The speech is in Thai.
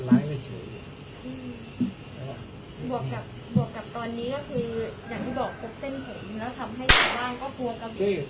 แล้วทำให้เลิกมากก็กลัวกิน